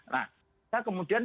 nah nah kemudian